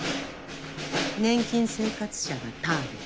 年金生活者がターゲット。